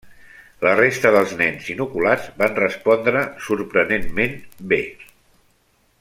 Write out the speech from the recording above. La resta dels nens inoculats van respondre sorprenentment bé.